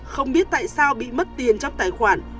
không biết tại sao bị mất tiền trong tài khoản